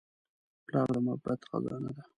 پلار د محبت خزانه ده.